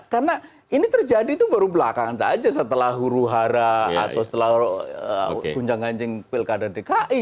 karena ini terjadi itu baru belakang saja setelah huru hara atau setelah kunjang ganjing pilkada dki